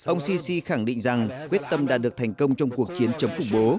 ông sisi khẳng định rằng quyết tâm đạt được thành công trong cuộc chiến chống khủng bố